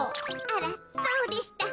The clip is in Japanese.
あらそうでした。